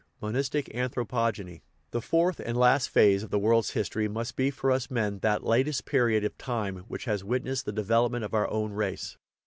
MONISTIC ANTHROPOGENY The fourth and last phase of the world's history must be for us men that latest period of time which has wit nessed the development of our own race.